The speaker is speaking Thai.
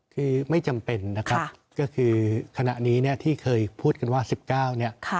คือไม่จำเป็นนะครับก็คือคณะนี้เนี่ยที่เคยพูดกันว่า๑๙เนี่ย